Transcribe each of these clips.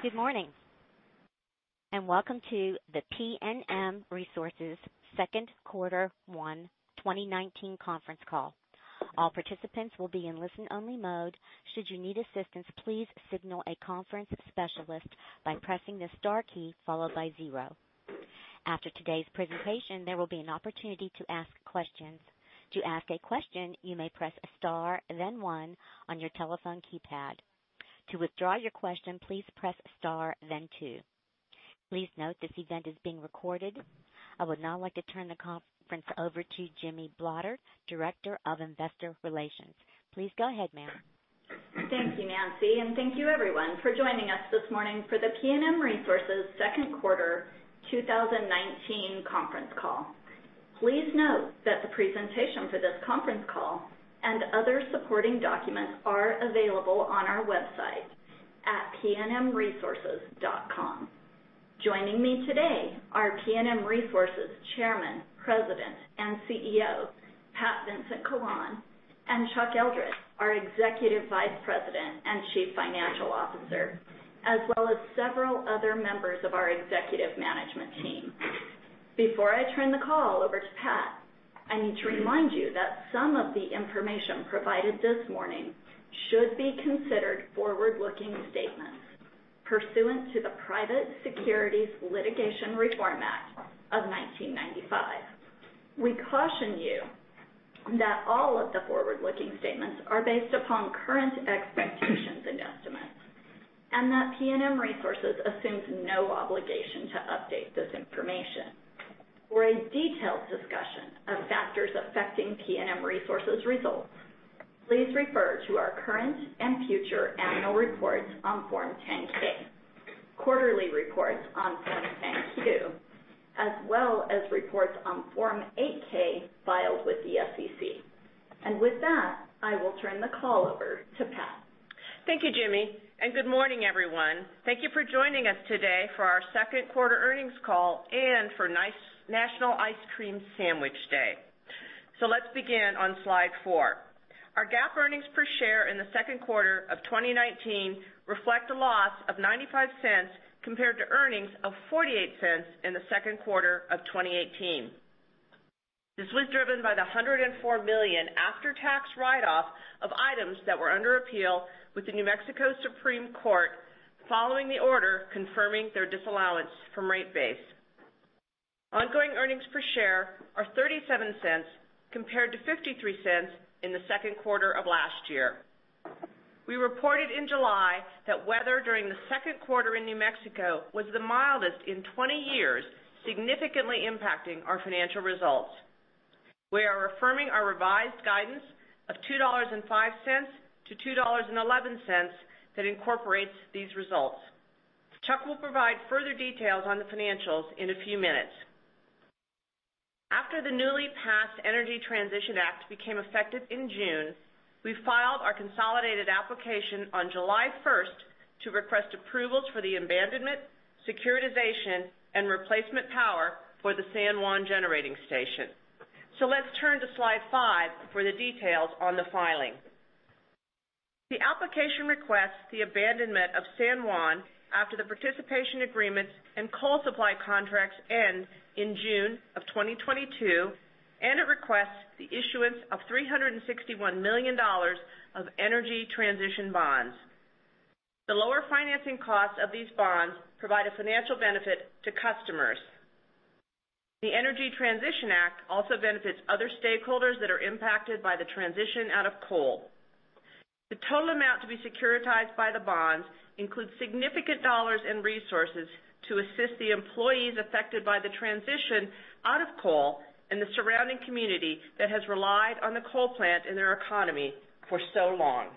Good morning, and welcome to the PNM Resources second quarter one 2019 conference call. All participants will be in listen-only mode. Should you need assistance, please signal a conference specialist by pressing the star key followed by zero. After today's presentation, there will be an opportunity to ask questions. To ask a question, you may press star then one on your telephone keypad. To withdraw your question, please press star then two. Please note this event is being recorded. I would now like to turn the conference over to Jimmie Blotter, Director of Investor Relations. Please go ahead, ma'am. Thank you, Nancy, and thank you everyone for joining us this morning for the PNM Resources second quarter 2019 conference call. Please note that the presentation for this conference call and other supporting documents are available on our website at pnmresources.com. Joining me today are PNM Resources Chairman, President, and CEO, Pat Vincent-Collawn, and Chuck Eldred, our Executive Vice President and Chief Financial Officer, as well as several other members of our executive management team. Before I turn the call over to Pat, I need to remind you that some of the information provided this morning should be considered forward-looking statements pursuant to the Private Securities Litigation Reform Act of 1995. We caution you that all of the forward-looking statements are based upon current expectations and estimates, and that PNM Resources assumes no obligation to update this information. For a detailed discussion of factors affecting PNM Resources results, please refer to our current and future annual reports on Form 10-K, quarterly reports on Form 10-Q, as well as reports on Form 8-K filed with the SEC. With that, I will turn the call over to Pat. Thank you, Jimmie, and good morning, everyone. Thank you for joining us today for our second quarter earnings call and for National Ice Cream Sandwich Day. Let's begin on slide four. Our GAAP earnings per share in the second quarter of 2019 reflect a loss of $0.95 compared to earnings of $0.48 in the second quarter of 2018. This was driven by the $104 million after-tax write-off of items that were under appeal with the New Mexico Supreme Court following the order confirming their disallowance from rate base. Ongoing earnings per share are $0.37 compared to $0.53 in the second quarter of last year. We reported in July that weather during the second quarter in New Mexico was the mildest in 20 years, significantly impacting our financial results. We are affirming our revised guidance of $2.05-$2.11 that incorporates these results. Chuck will provide further details on the financials in a few minutes. After the newly passed Energy Transition Act became effective in June, we filed our consolidated application on July 1st to request approvals for the abandonment, securitization, and replacement power for the San Juan Generating Station. Let's turn to slide five for the details on the filing. The application requests the abandonment of San Juan after the participation agreements and coal supply contracts end in June of 2022, and it requests the issuance of $361 million of energy transition bonds. The lower financing costs of these bonds provide a financial benefit to customers. The Energy Transition Act also benefits other stakeholders that are impacted by the transition out of coal. The total amount to be securitized by the bonds includes significant dollars in resources to assist the employees affected by the transition out of coal and the surrounding community that has relied on the coal plant and their economy for so long.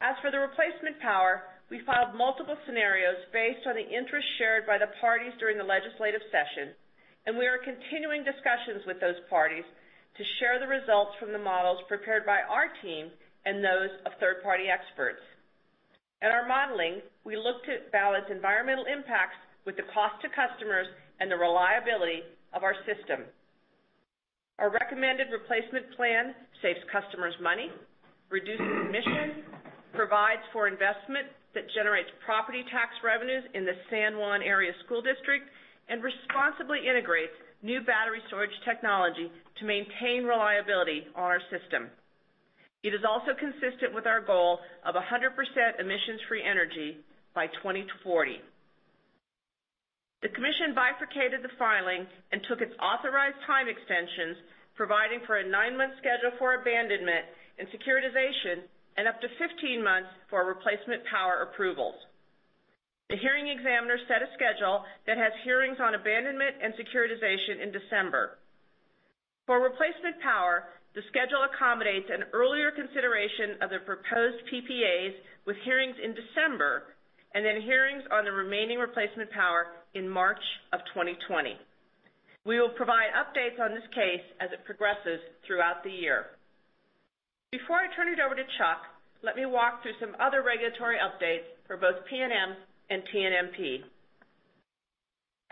As for the replacement power, we filed multiple scenarios based on the interest shared by the parties during the legislative session. We are continuing discussions with those parties to share the results from the models prepared by our team and those of third-party experts. In our modeling, we looked to balance environmental impacts with the cost to customers and the reliability of our system. Our recommended replacement plan saves customers money, reduces emissions, provides for investment that generates property tax revenues in the San Juan School District, and responsibly integrates new battery storage technology to maintain reliability on our system. It is also consistent with our goal of 100% emissions-free energy by 2040. The commission bifurcated the filing and took its authorized time extensions, providing for a nine-month schedule for abandonment and securitization and up to 15 months for replacement power approvals. The hearing examiner set a schedule that has hearings on abandonment and securitization in December. For replacement power, the schedule accommodates an earlier consideration of the proposed PPAs with hearings in December and then hearings on the remaining replacement power in March of 2020. We will provide updates on this case as it progresses throughout the year. Before I turn it over to Chuck, let me walk through some other regulatory updates for both PNM and TNMP.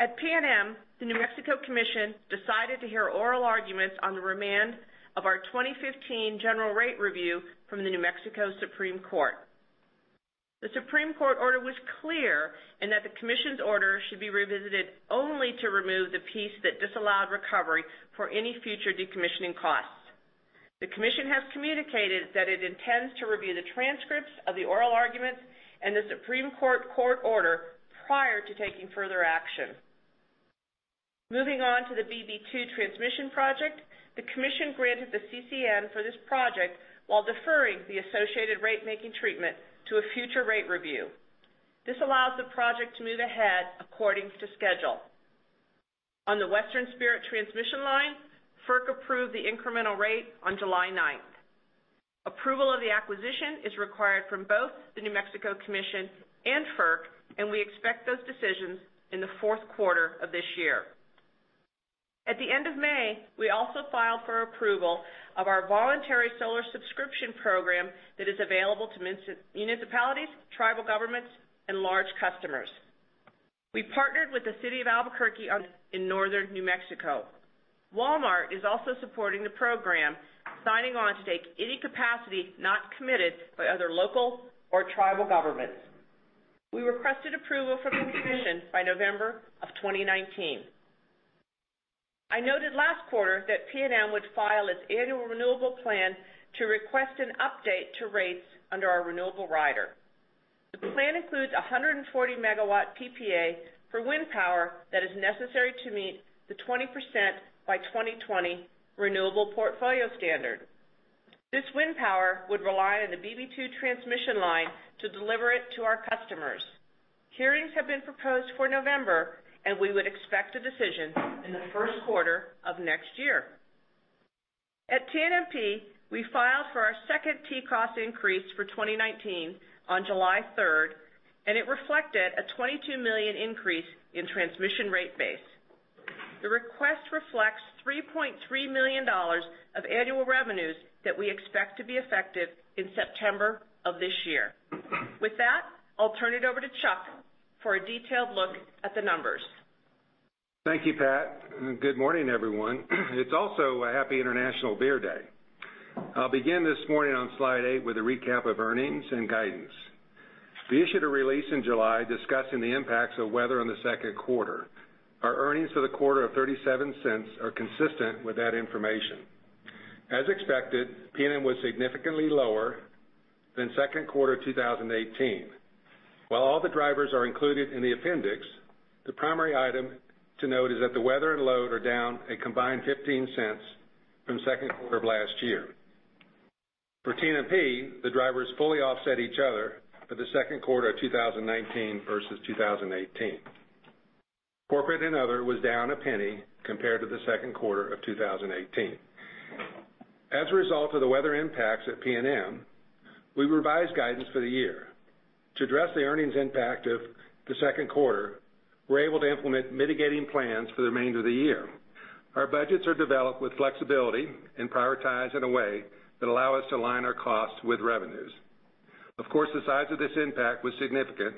At PNM, the New Mexico Commission decided to hear oral arguments on the remand of our 2015 general rate review from the New Mexico Supreme Court. The Supreme Court order was clear in that the Commission's order should be revisited only to remove the piece that disallowed recovery for any future decommissioning costs. The Commission has communicated that it intends to review the transcripts of the oral arguments and the Supreme Court order prior to taking further action. Moving on to the BB2 transmission project, the Commission granted the CCN for this project while deferring the associated rate-making treatment to a future rate review. This allows the project to move ahead according to schedule. On the Western Spirit transmission line, FERC approved the incremental rate on July 9th. Approval of the acquisition is required from both the New Mexico Commission and FERC, and we expect those decisions in the fourth quarter of this year. At the end of May, we also filed for approval of our voluntary solar subscription program that is available to municipalities, tribal governments, and large customers. We've partnered with the city of Albuquerque in northern New Mexico. Walmart is also supporting the program, signing on to take any capacity not committed by other local or tribal governments. We requested approval from the commission by November of 2019. I noted last quarter that PNM would file its annual renewable plan to request an update to rates under our renewable rider. The plan includes 140-megawatt PPA for wind power that is necessary to meet the 20% by 2020 renewable portfolio standard. This wind power would rely on the BB2 transmission line to deliver it to our customers. Hearings have been proposed for November, and we would expect a decision in the first quarter of next year. At TNMP, we filed for our second TCOS increase for 2019 on July 3rd, and it reflected a $22 million increase in transmission rate base. The request reflects $3.3 million of annual revenues that we expect to be effective in September of this year. With that, I'll turn it over to Chuck for a detailed look at the numbers. Thank you, Pat. Good morning, everyone. It's also a happy International Beer Day. I'll begin this morning on slide eight with a recap of earnings and guidance. We issued a release in July discussing the impacts of weather in the second quarter. Our earnings for the quarter of $0.37 are consistent with that information. As expected, PNM was significantly lower than second quarter 2018. While all the drivers are included in the appendix, the primary item to note is that the weather and load are down a combined $0.15 from the second quarter of last year. For TNMP, the drivers fully offset each other for the second quarter of 2019 versus 2018. Corporate and other was down $0.01 compared to the second quarter of 2018. As a result of the weather impacts at PNM, we revised guidance for the year. To address the earnings impact of the second quarter, we're able to implement mitigating plans for the remainder of the year. Our budgets are developed with flexibility and prioritized in a way that allow us to align our costs with revenues. Of course, the size of this impact was significant,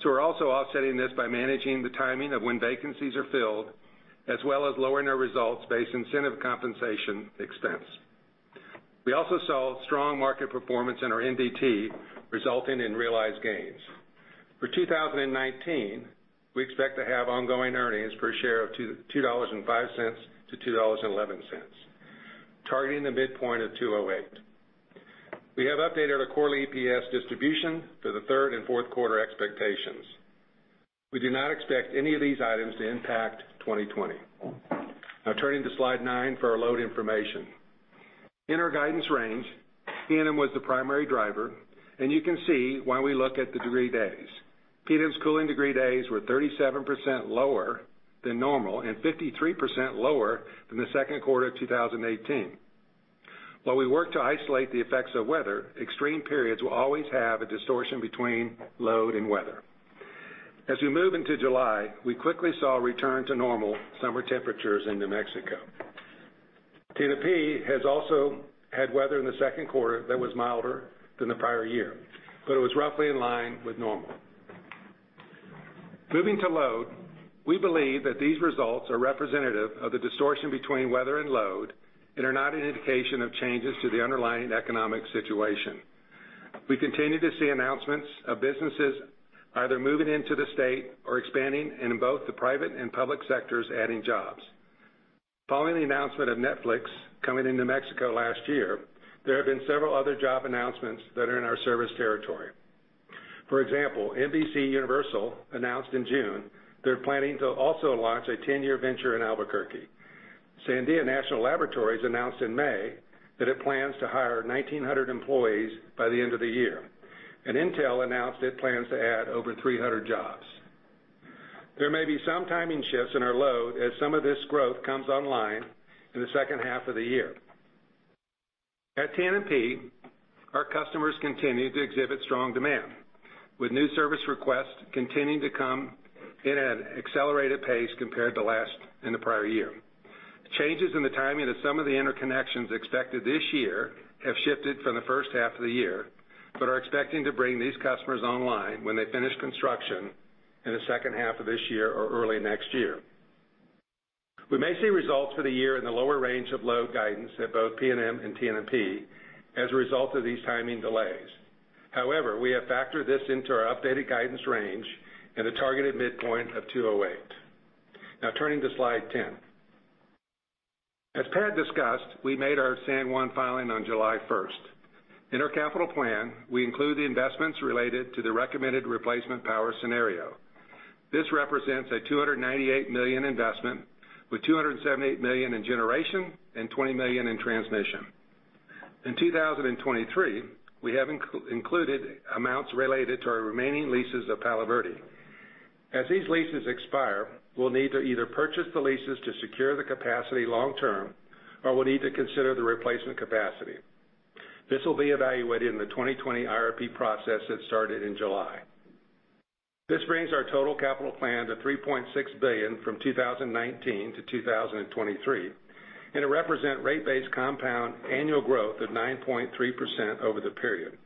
so we're also offsetting this by managing the timing of when vacancies are filled, as well as lowering our results-based incentive compensation expense. We also saw strong market performance in our NDT, resulting in realized gains. For 2019, we expect to have ongoing earnings per share of $2.05-$2.11, targeting the midpoint of $2.08. We have updated our quarterly EPS distribution for the third and fourth quarter expectations. We do not expect any of these items to impact 2020. Turning to slide nine for our load information. In our guidance range, PNM was the primary driver, and you can see why we look at the degree days. PNM's cooling degree days were 37% lower than normal and 53% lower than the second quarter of 2018. While we work to isolate the effects of weather, extreme periods will always have a distortion between load and weather. As we move into July, we quickly saw a return to normal summer temperatures in New Mexico. TNMP has also had weather in the second quarter that was milder than the prior year, but it was roughly in line with normal. Moving to load, we believe that these results are representative of the distortion between weather and load and are not an indication of changes to the underlying economic situation. We continue to see announcements of businesses either moving into the state or expanding in both the private and public sectors, adding jobs. Following the announcement of Netflix coming to New Mexico last year, there have been several other job announcements that are in our service territory. For example, NBCUniversal announced in June they're planning to also launch a 10-year venture in Albuquerque. Sandia National Laboratories announced in May that it plans to hire 1,900 employees by the end of the year. Intel announced it plans to add over 300 jobs. There may be some timing shifts in our load as some of this growth comes online in the second half of the year. At TNMP, our customers continue to exhibit strong demand, with new service requests continuing to come in at an accelerated pace compared to last in the prior year. Changes in the timing of some of the interconnections expected this year have shifted from the first half of the year, but are expecting to bring these customers online when they finish construction in the second half of this year or early next year. We may see results for the year in the lower range of load guidance at both PNM and TNMP as a result of these timing delays. We have factored this into our updated guidance range and a targeted midpoint of $2.08. Turning to slide 10. As Pat discussed, we made our San Juan filing on July 1st. In our capital plan, we include the investments related to the recommended replacement power scenario. This represents a $298 million investment, with $278 million in generation and $20 million in transmission. In 2023, we have included amounts related to our remaining leases of Palo Verde. As these leases expire, we'll need to either purchase the leases to secure the capacity long-term, or we'll need to consider the replacement capacity. This will be evaluated in the 2020 IRP process that started in July. This brings our total capital plan to $3.6 billion from 2019 to 2023, and it represent rate base compound annual growth of 9.3% over the period.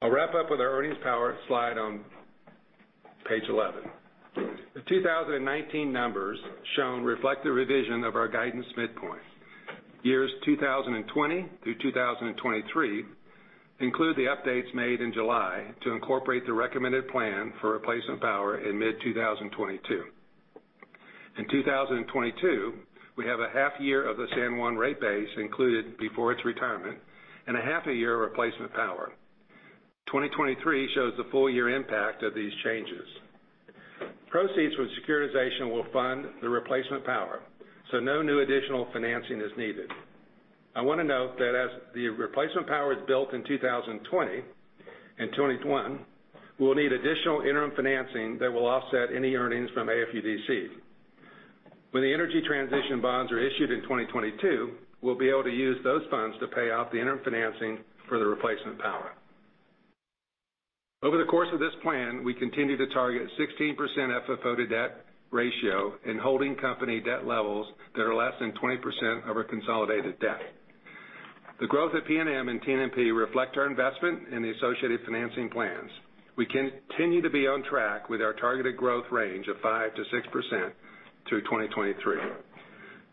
I'll wrap up with our earnings power slide on page 11. The 2019 numbers shown reflect the revision of our guidance midpoint. Years 2020 through 2023 include the updates made in July to incorporate the recommended plan for replacement power in mid-2022. In 2022, we have a half year of the San Juan rate base included before its retirement and a half a year of replacement power. 2023 shows the full year impact of these changes. Proceeds with securitization will fund the replacement power, so no new additional financing is needed. I want to note that as the replacement power is built in 2020 and 2021, we will need additional interim financing that will offset any earnings from AFUDC. When the energy transition bonds are issued in 2022, we'll be able to use those funds to pay off the interim financing for the replacement power. Over the course of this plan, we continue to target 16% FFO to debt ratio and holding company debt levels that are less than 20% of our consolidated debt. The growth at PNM and TNMP reflect our investment in the associated financing plans. We continue to be on track with our targeted growth range of 5%-6% through 2023.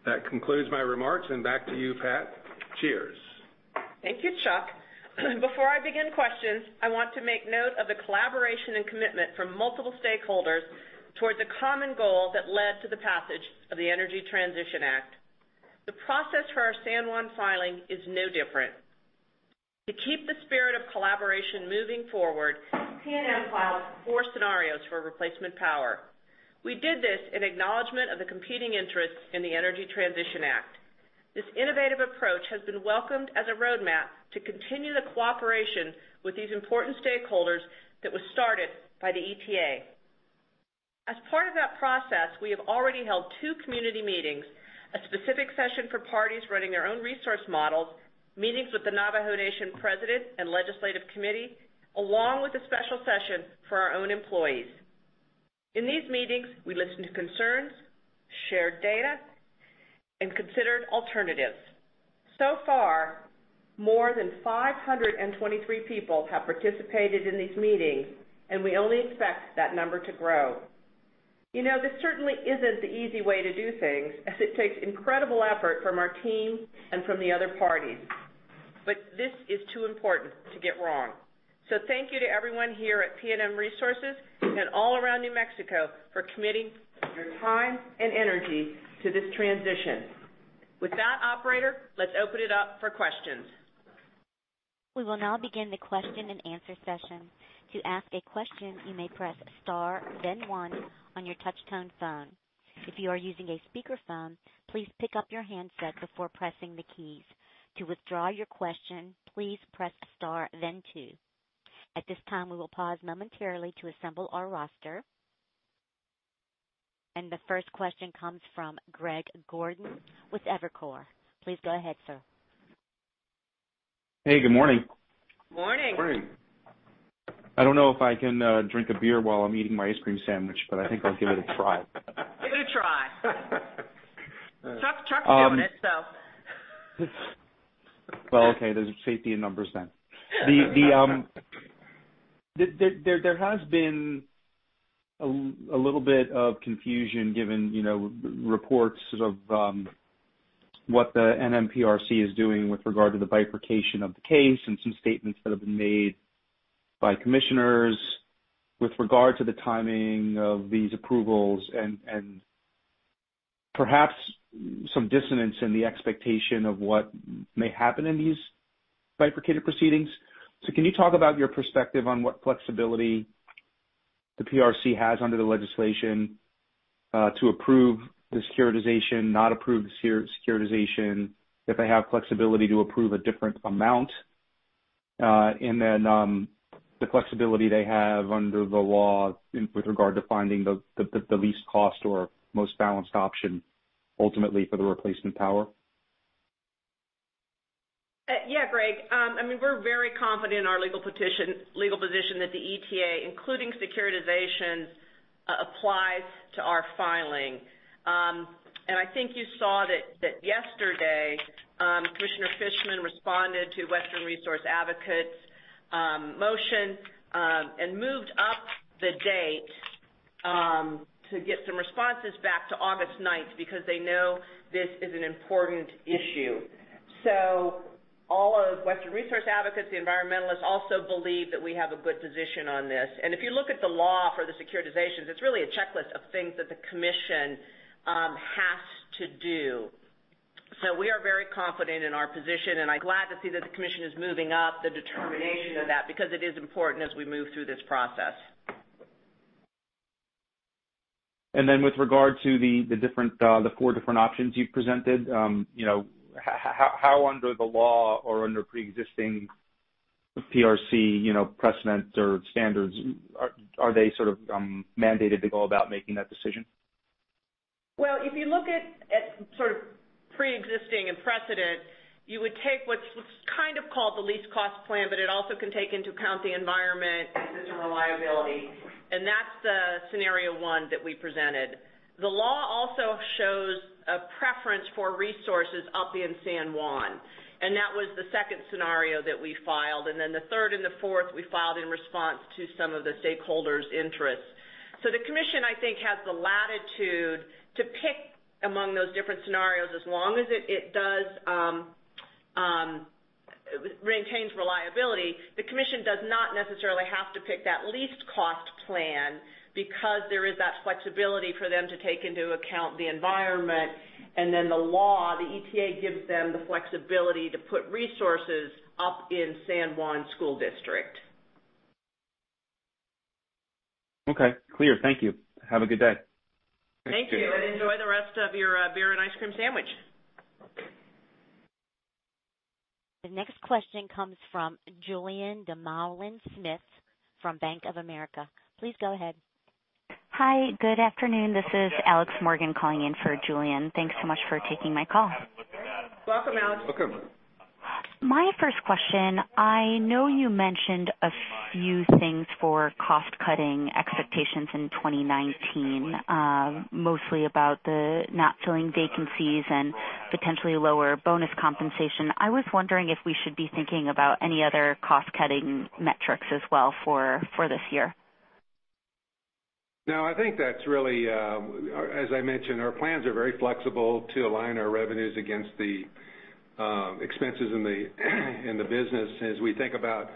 That concludes my remarks. Back to you, Pat. Cheers. Thank you, Chuck. Before I begin questions, I want to make note of the collaboration and commitment from multiple stakeholders towards a common goal that led to the passage of the Energy Transition Act. The process for our San Juan filing is no different. To keep the spirit of collaboration moving forward, PNM filed four scenarios for replacement power. We did this in acknowledgment of the competing interests in the Energy Transition Act. This innovative approach has been welcomed as a roadmap to continue the cooperation with these important stakeholders that was started by the EPA. As part of that process, we have already held two community meetings, a specific session for parties running their own resource models, meetings with the Navajo Nation president and legislative committee, along with a special session for our own employees. In these meetings, we listened to concerns, shared data, and considered alternatives. So far, more than 523 people have participated in these meetings, and we only expect that number to grow. You know, this certainly isn't the easy way to do things, as it takes incredible effort from our team and from the other parties. This is too important to get wrong. Thank you to everyone here at PNM Resources and all around New Mexico for committing your time and energy to this transition. With that, operator, let's open it up for questions. We will now begin the question and answer session. To ask a question, you may press star, then one on your touch tone phone. If you are using a speaker phone, please pick up your handset before pressing the keys. To withdraw your question, please press star, then two. At this time, we will pause momentarily to assemble our roster. The first question comes from Greg Gordon with Evercore. Please go ahead, sir. Hey, good morning. Morning. Morning. I don't know if I can drink a beer while I'm eating my ice cream sandwich, but I think I'll give it a try. Give it a try. Chuck's doing it, so. Well, okay, there's safety in numbers then. There has been a little bit of confusion given reports of what the NMPRC is doing with regard to the bifurcation of the case and some statements that have been made by commissioners with regard to the timing of these approvals, and perhaps some dissonance in the expectation of what may happen in these bifurcated proceedings. Can you talk about your perspective on what flexibility the PRC has under the legislation to approve the securitization, not approve the securitization, if they have flexibility to approve a different amount, and then the flexibility they have under the law with regard to finding the least cost or most balanced option ultimately for the replacement power? Yeah, Greg. I mean, we're very confident in our legal position that the ETA, including securitizations, applies to our filing. I think you saw that yesterday, Commissioner Fischmann responded to Western Resource Advocates' motion, and moved up the date to get some responses back to August 9th, because they know this is an important issue. All of Western Resource Advocates, the environmentalists, also believe that we have a good position on this. If you look at the law for the securitizations, it's really a checklist of things that the commission has to do. We are very confident in our position, and I'm glad to see that the commission is moving up the determination of that, because it is important as we move through this process. With regard to the four different options you've presented, how under the law or under preexisting PRC precedents or standards are they sort of mandated to go about making that decision? Well, if you look at sort of preexisting and precedent, you would take what's kind of called the least cost plan, but it also can take into account the environment and system reliability. That's the scenario 1 that we presented. The law also shows a preference for resources up in San Juan. That was the second scenario that we filed. The third and the fourth we filed in response to some of the stakeholders' interests. The commission, I think, has the latitude to pick among those different scenarios. As long as it maintains reliability, the commission does not necessarily have to pick that least cost plan because there is that flexibility for them to take into account the environment. The law, the ETA gives them the flexibility to put resources up in San Juan School District. Okay, clear. Thank you. Have a good day. Thank you. Enjoy the rest of your beer and ice cream sandwich. The next question comes from Julien Dumoulin-Smith from Bank of America. Please go ahead. Hi. Good afternoon. This is Alex Morgan calling in for Julien. Thanks so much for taking my call. Welcome, Alex. Welcome. My first question, I know you mentioned a few things for cost-cutting expectations in 2019, mostly about the not filling vacancies and potentially lower bonus compensation. I was wondering if we should be thinking about any other cost-cutting metrics as well for this year. No, I think as I mentioned, our plans are very flexible to align our revenues against the expenses in the business. As we think about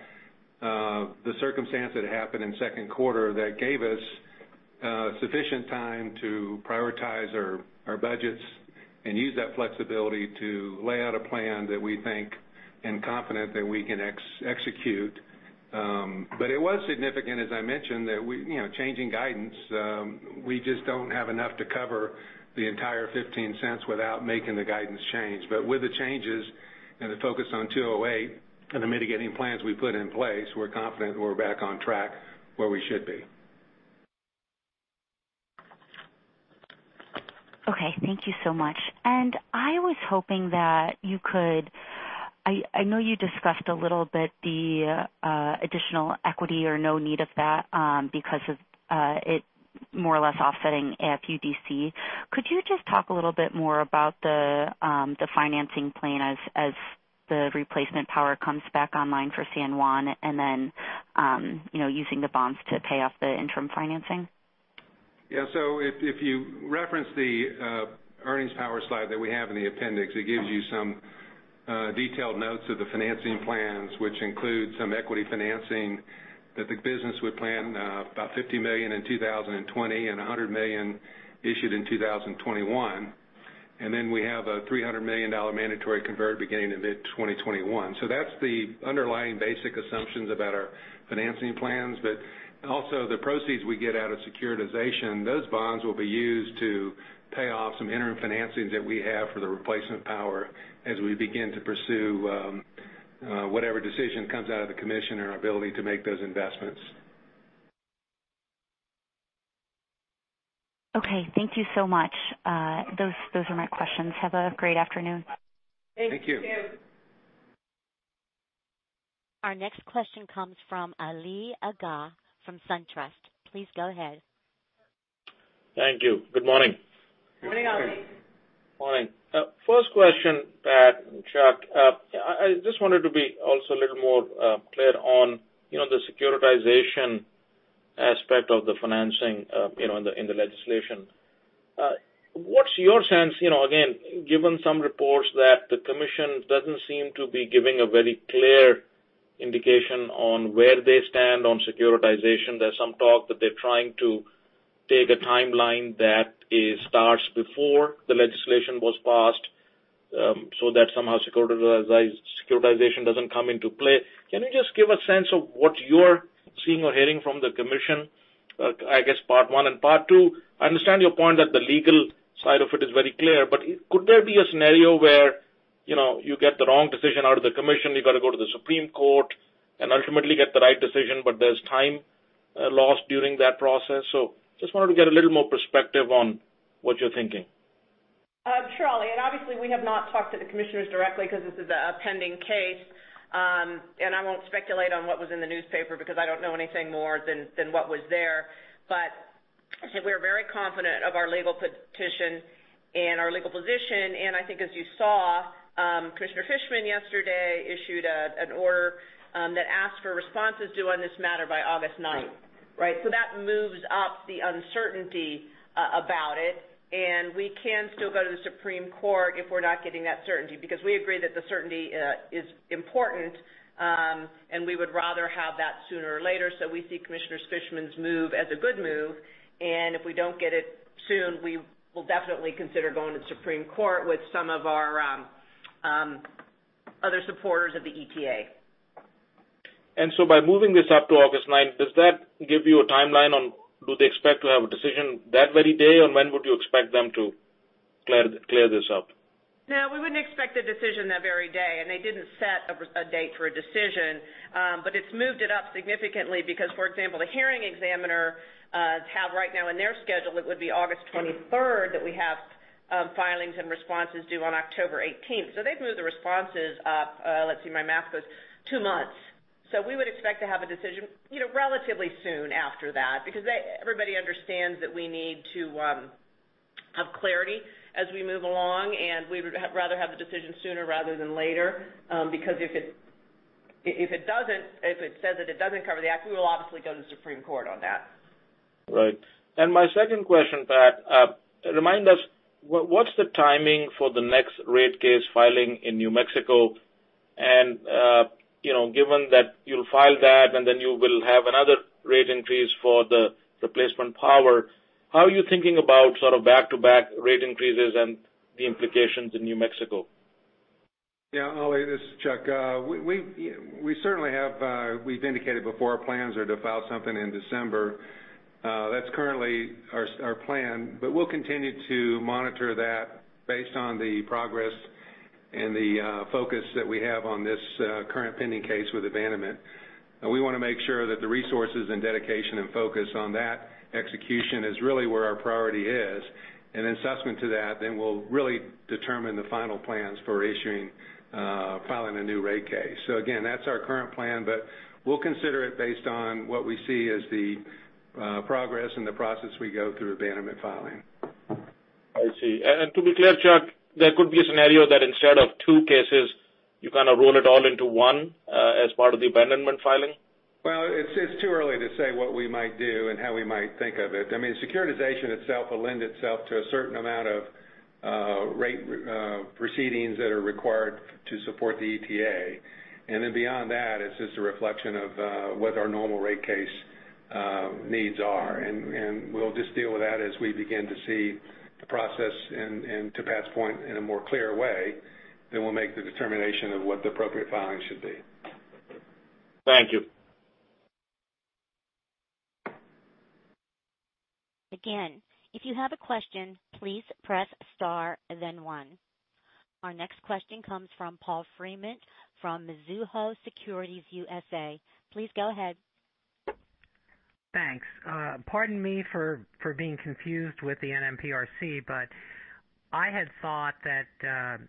the circumstance that happened in second quarter that gave us sufficient time to prioritize our budgets and use that flexibility to lay out a plan that we think and confident that we can execute. It was significant, as I mentioned, changing guidance. We just don't have enough to cover the entire $0.15 without making the guidance change. With the changes and the focus on 208 and the mitigating plans we put in place, we're confident we're back on track where we should be. Okay. Thank you so much. I know you discussed a little bit the additional equity or no need of that because of it more or less offsetting AFUDC. Could you just talk a little bit more about the financing plan as the replacement power comes back online for San Juan and then using the bonds to pay off the interim financing? Yeah. If you reference the earnings power slide that we have in the appendix, it gives you some detailed notes of the financing plans, which include some equity financing that the business would plan about $50 million in 2020 and $100 million issued in 2021. We have a $300 million mandatory convert beginning in mid-2021. That's the underlying basic assumptions about our financing plans. Also the proceeds we get out of securitization, those bonds will be used to pay off some interim financings that we have for the replacement power as we begin to pursue whatever decision comes out of the Commission and our ability to make those investments. Okay. Thank you so much. Those are my questions. Have a great afternoon. Thank you. Thank you. Our next question comes from Ali Agha from SunTrust. Please go ahead. Thank you. Good morning. Good morning, Ali. Morning. First question, Pat and Chuck. I just wanted to be also a little more clear on the securitization aspect of the financing in the legislation. What's your sense, again, given some reports that the commission doesn't seem to be giving a very clear indication on where they stand on securitization. There's some talk that they're trying to take a timeline that it starts before the legislation was passed, so that somehow securitization doesn't come into play. Can you just give a sense of what you're seeing or hearing from the commission? I guess part one. Part two, I understand your point that the legal side of it is very clear, but could there be a scenario where you get the wrong decision out of the commission, you've got to go to the Supreme Court and ultimately get the right decision, but there's time-loss during that process. Just wanted to get a little more perspective on what you're thinking. Sure, Ali. Obviously we have not talked to the commissioners directly because this is a pending case. I won't speculate on what was in the newspaper because I don't know anything more than what was there. I think we're very confident of our legal petition and our legal position. I think as you saw, Commissioner Fischmann yesterday issued an order that asked for responses due on this matter by August ninth. That moves up the uncertainty about it. We can still go to the Supreme Court if we're not getting that certainty, because we agree that the certainty is important. We would rather have that sooner or later. We see Commissioner Fischmann's move as a good move, and if we don't get it soon, we will definitely consider going to the Supreme Court with some of our other supporters of the ETA. By moving this up to August ninth, does that give you a timeline on do they expect to have a decision that very day? Or when would you expect them to clear this up? No, we wouldn't expect a decision that very day. They didn't set a date for a decision. It's moved it up significantly because, for example, the hearing examiners have right now in their schedule, it would be August 23rd that we have filings and responses due on October 18th. They've moved the responses up, let's see, my math was two months. We would expect to have a decision relatively soon after that because everybody understands that we need to have clarity as we move along, and we would rather have the decision sooner rather than later. If it says that it doesn't cover the Act, we will obviously go to the Supreme Court on that. Right. My second question, Pat, remind us, what's the timing for the next rate case filing in New Mexico? Given that you'll file that and then you will have another rate increase for the replacement power, how are you thinking about sort of back-to-back rate increases and the implications in New Mexico? Ali, this is Chuck. We've indicated before our plans are to file something in December. That's currently our plan, but we'll continue to monitor that based on the progress and the focus that we have on this current pending case with abandonment. We want to make sure that the resources and dedication and focus on that execution is really where our priority is. In assessment to that, we'll really determine the final plans for issuing, filing a new rate case. Again, that's our current plan, but we'll consider it based on what we see as the progress and the process we go through abandonment filing. I see. To be clear, Chuck, there could be a scenario that instead of two cases, you kind of roll it all into one as part of the abandonment filing? Well, it's too early to say what we might do and how we might think of it. I mean, securitization itself will lend itself to a certain amount of rate proceedings that are required to support the ETA. Beyond that, it's just a reflection of what our normal rate case needs are, and we'll just deal with that as we begin to see the process and to Pat's point in a more clear way, then we'll make the determination of what the appropriate filing should be. Thank you. Again, if you have a question, please press star and then one. Our next question comes from Paul Fremont from Mizuho Securities USA. Please go ahead. Thanks. Pardon me for being confused with the NMPRC, I had thought that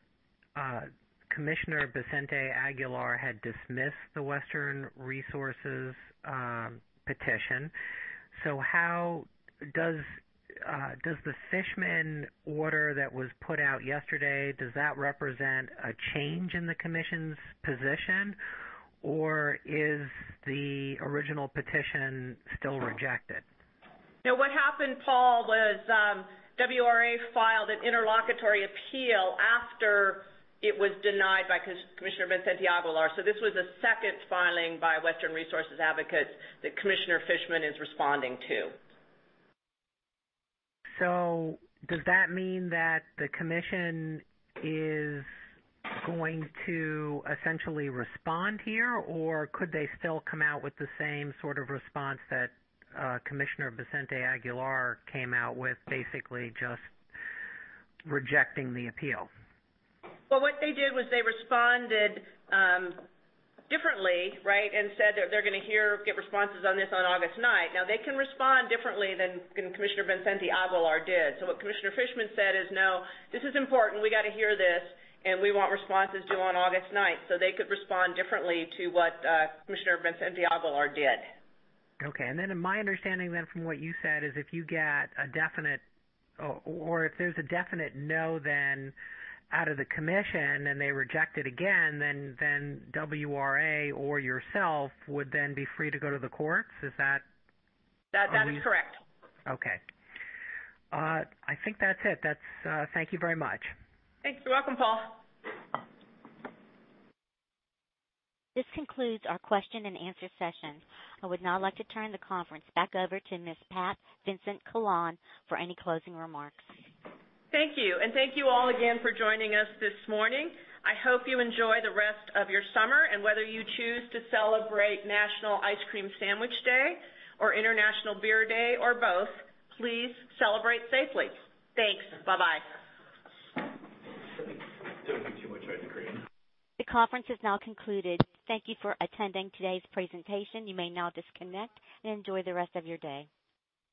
Commissioner Becenti-Aguilar had dismissed the Western Resource Advocates petition. Does the Fischmann order that was put out yesterday, represent a change in the commission's position, or is the original petition still rejected? No, what happened, Paul, was WRA filed an interlocutory appeal after it was denied by Commissioner Becenti-Aguilar. This was a second filing by Western Resource Advocates that Commissioner Fischmann is responding to. Does that mean that the commission is going to essentially respond here, or could they still come out with the same sort of response that Commissioner Becenti-Aguilar came out with, basically just rejecting the appeal? Well, what they did was they responded differently, right? They said that they're going to get responses on this on August ninth. Now they can respond differently than Commissioner Becenti-Aguilar did. What Commissioner Fischmann said is, "No, this is important. We got to hear this, and we want responses due on August ninth." They could respond differently to what Commissioner Becenti-Aguilar did. My understanding then from what you said is if you get a definite or if there's a definite no then out of the commission and they reject it again, then WRA or yourself would then be free to go to the courts, is that correct? That is correct. Okay. I think that's it. Thank you very much. Thanks. You're welcome, Paul. This concludes our question and answer session. I would now like to turn the conference back over to Ms. Pat Vincent-Collawn for any closing remarks. Thank you. Thank you all again for joining us this morning. I hope you enjoy the rest of your summer. Whether you choose to celebrate National Ice Cream Sandwich Day or International Beer Day or both, please celebrate safely. Thanks. Bye-bye. Don't do too much ice cream. The conference is now concluded. Thank you for attending today's presentation. You may now disconnect and enjoy the rest of your day.